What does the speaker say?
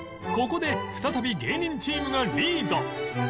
ここで再び芸人チームがリード